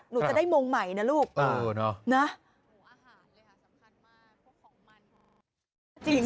หนูจะได้โมงใหม่นะลูกเออเนอะนะโหอาหารเลยค่ะสำคัญมาก